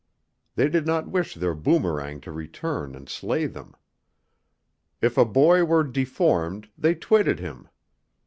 They did not wish their boomerang to return and slay them. If a boy were deformed, they twitted him.